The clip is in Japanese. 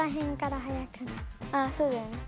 あそうだよね